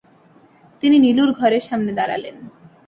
তিনি নীলুর ঘরের সামনে দাঁড়ালেন।